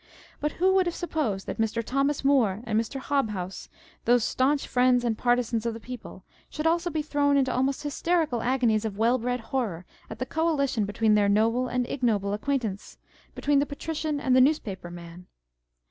But who would have supposed that Mr. Thomas Moore and Mr. Hobhouse, those staunch friends and partisans of the people, should also bo thrown into almost hysterical agonies of well bred horror at the coalition between their noble and ignoble acquaintance, between the Patrician and "the Newspaper Man